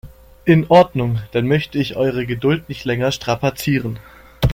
In Ordnung, dann möchte ich eure Geduld nicht länger strapazieren.